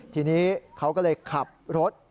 ทีนี้เขาก็เลยขับรถ